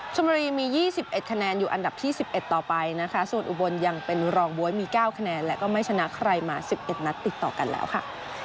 ชมบุรีมี๒๑คะแนนอยู่อันดับที่๑๑ต่อไปนะคะส่วนอุบลยังเป็นรองบ๊วยมี๙คะแนนและก็ไม่ชนะใครมา๑๑นัดติดต่อกันแล้วค่ะ